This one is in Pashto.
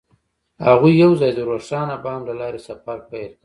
هغوی یوځای د روښانه بام له لارې سفر پیل کړ.